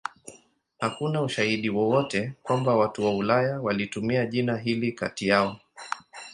Hakuna ushahidi wowote kwamba watu wa Ulaya walitumia jina hili kati yao.